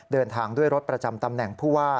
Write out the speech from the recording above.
เดินทางด้วยรถประจำตำแหน่งผู้ว่า